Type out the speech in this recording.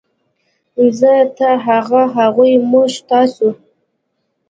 زۀ ، تۀ ، هغه ، هغوی ، موږ ، تاسو